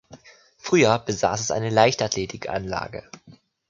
Früher besaß es eine Leichtathletikanlage.